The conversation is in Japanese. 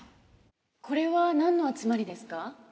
これはなんの集まりですか？